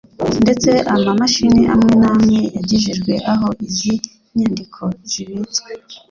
ndetse ama mashini amwe namwe yagejejwe aho izi nyandiko zibitswe